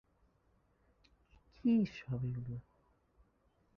বিধবা বিবাহের স্বপক্ষে থাকলেও, তিনি বহুবিবাহের সমর্থক ছিলেন।